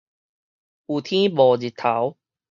有天無日頭